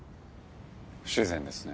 不自然ですね。